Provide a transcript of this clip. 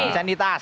misalnya di tas